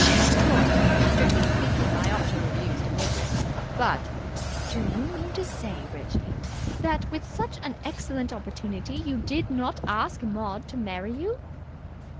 Of course, strictly speaking, I ought to have used a niblick, but " "Do you mean to say, Reggie, that, with such an excellent opportunity, you did not ask Maud to marry you?"